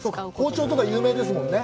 包丁とか、有名ですもんね。